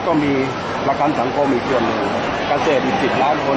ก็มีระกันสังคมอีกกันเศษอีก๑๐ล้านคน